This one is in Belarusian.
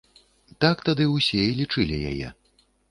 Так тады ўсе і лічылі яе.